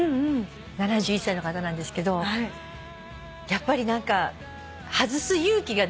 ７１歳の方なんですけどやっぱり何か外す勇気がなくて。